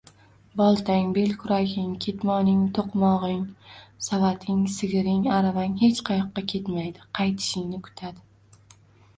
Boltang, belkuraging, ketmoning, toʻqmogʻing, savating, sigiring, aravang hech qayoqqa ketmaydi, qaytishingni kutadi…